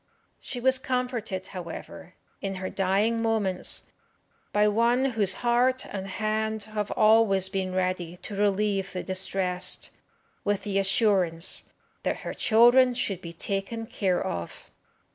She was comforted, however, in her dying moments, by one whose heart and hand have always been ready to relieve the distressed, with the assurance that her children should be taken care of.